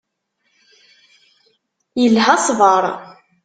Ilha ṣṣber.